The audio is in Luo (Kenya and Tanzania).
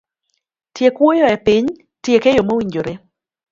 Tiek wuoyo e piny, tiek eyo mowinjore.